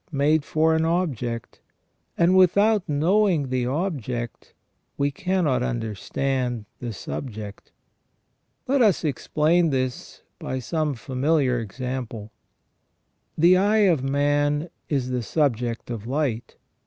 3 made for an object, and without knowing the object we cannot understand the subject. Let us explain this by some familiar example. The eye of man is the subject of light.